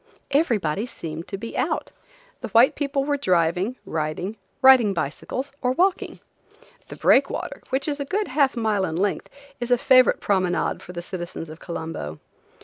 Everybody seemed to be out. The white people were driving, riding, riding bicycles, or walking. The breakwater, which is a good half mile in length, is a favorite promenade for the citizens of Colombo.